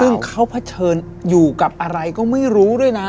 ซึ่งเขาเผชิญอยู่กับอะไรก็ไม่รู้ด้วยนะ